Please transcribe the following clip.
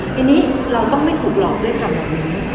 ทีนี้เราต้องไม่ถูกหลอกด้วยทำแบบนี้